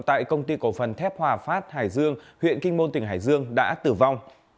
tại công ty cổ phần thép hòa phát hải dương huyện kinh môn tỉnh hải dương đã tử vong